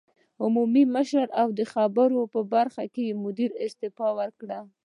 عمومي مشر او د خبرونو د برخې مدیرې استعفی ورکړې